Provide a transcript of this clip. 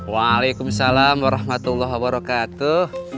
waalaikumsalam warahmatullahi wabarakatuh